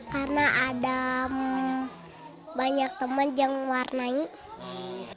karena ada banyak teman yang warnanya